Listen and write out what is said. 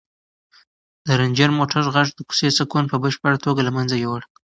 د رنجر موټر غږ د کوڅې سکون په بشپړه توګه له منځه یووړ.